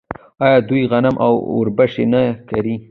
آیا دوی غنم او وربشې نه کري؟